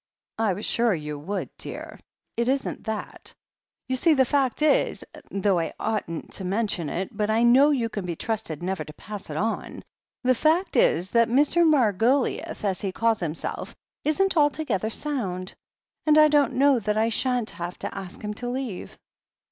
"I was sure you would, dear — it isn't that. You see the fact is, though I oughtn't to mention it but I know you can be trusted never to pass it on, — ^the fact is that Mr. Margoliouth, as he calls himself, isn't altogether sound, and I don't know that I shan't have to ask him to leave."